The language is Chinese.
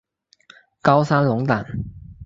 高山龙胆